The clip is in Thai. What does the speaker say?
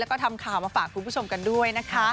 แล้วก็ทำข่าวมาฝากคุณผู้ชมกันด้วยนะคะ